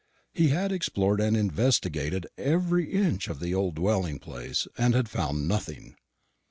He had explored and investigated every inch of the old dwelling place, and had found nothing.